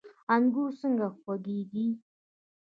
انګور څنګه خوږیږي؟